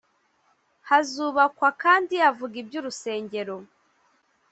hazubakwa kandi avuga ibyurusengero